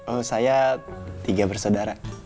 oh saya tiga bersaudara